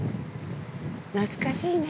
懐かしいね。